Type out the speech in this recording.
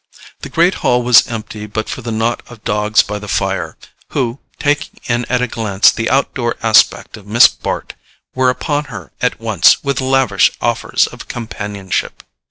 The great hall was empty but for the knot of dogs by the fire, who, taking in at a glance the outdoor aspect of Miss Bart, were upon her at once with lavish offers of companionship.